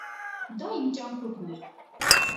Դա իմ ճամպրուկն էր։